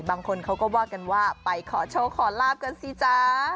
บางคนเขาก็ว่ากันว่าไปขอโชคขอลาบกันสิจ๊ะ